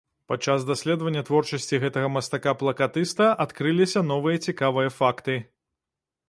Падчас даследавання творчасці гэтага мастака-плакатыста адкрыліся новыя цікавыя факты.